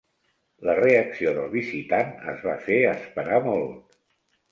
La reacció del visitant es va fer esperar molt.